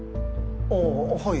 あっはい。